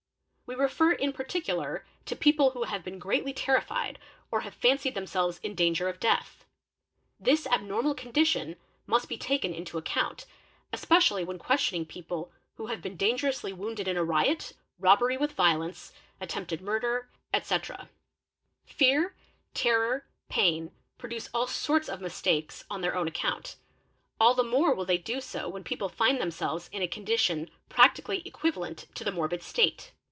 We refer in particular to people — who have been greatly terrified or have fancied themselves in danger of : death ©, This abnormal condition must be taken into account, especially _, when questioning people who have been dangerously wounded in a riot, robbery with violence, attempted murder, etc. Fear, terror, pain, produce all sorts of mistakes on their own account; all the more will they do so when people find themselves in a condition — practically equivalent to the morbid state.